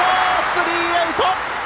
スリーアウト！